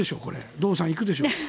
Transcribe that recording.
堂さん、行くでしょう。